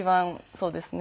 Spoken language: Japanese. そうですよね。